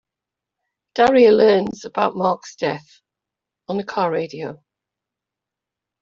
Daria learns about Mark's death on the car radio.